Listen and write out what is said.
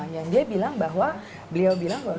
yang dia bilang bahwa